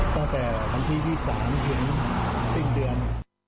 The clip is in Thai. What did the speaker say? ตั้งแต่วันที่๒๓ถึงสิ้นเดือน